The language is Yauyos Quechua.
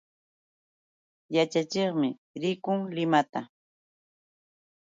Yaćhachiqmi rikun Limata.